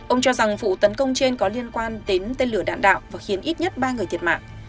ông cho rằng vụ tấn công trên có liên quan đến tên lửa đạn đạo và khiến ít nhất ba người thiệt mạng